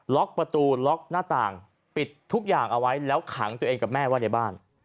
ล็อกประตูล็อกหน้าต่างปิดทุกอย่างเอาไว้แล้วขังตัวเองกับแม่ไว้ในบ้าน